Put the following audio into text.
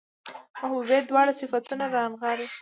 محبوبې دواړه صفتونه رانغاړي